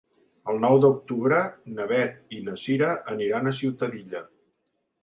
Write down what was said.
El nou d'octubre na Beth i na Cira aniran a Ciutadilla.